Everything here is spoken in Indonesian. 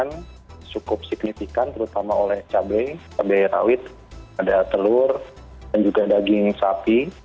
yang cukup signifikan terutama oleh cabai cabai rawit ada telur dan juga daging sapi